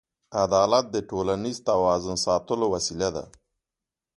عدالت د ټولنیز توازن ساتلو وسیله ده.